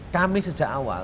kami sejak awal